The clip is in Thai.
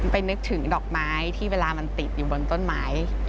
นึกถึงดอกไม้ที่เวลามันติดอยู่บนต้นไม้